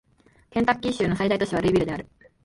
ケンタッキー州の最大都市はルイビルである